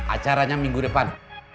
acaranya minggu depan